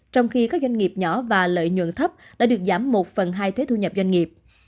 trong khi các doanh nghiệp nhỏ và lợi nhuận thấp đã được giảm một phần hai thuế thu nhập doanh nghiệp